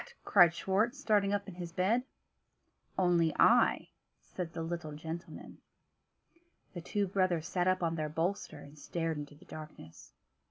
cried Schwartz, starting up in his bed. "Only I," said the little gentleman. The two brothers sat up on their bolster, and stared into the darkness.